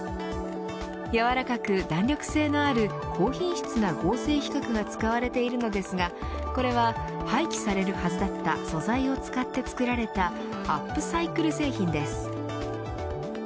やわらかく弾力性のある高品質な合成皮革が使われているのですがこれは廃棄されるはずだった素材を使って作られたアップサイクル製品です。